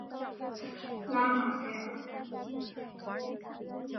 拉马盖尔。